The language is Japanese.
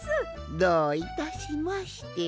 どういたしまして。